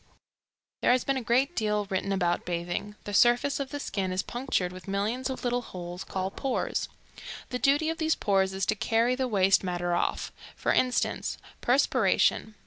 There has been a great deal written about bathing. The surface of the skin is punctured with millions of little holes called pores. The duty of these pores is to carry the waste matter off. For instance, perspiration.